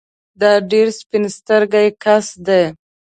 دا ډېر سپين سترګی کس دی